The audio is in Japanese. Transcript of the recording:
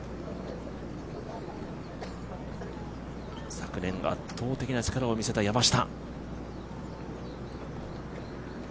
昨年、圧倒的な力を見せた山下。